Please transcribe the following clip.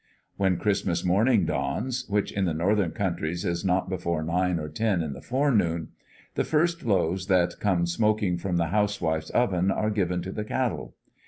When Christmas morning dawns, which in the northern countries is not before nine or ten in the forenoon, the first loaves that come smoking from the housewife's oven are given to the cattle.